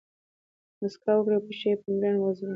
مسکا وکړئ! او پېښي په مېړانه وزغمئ!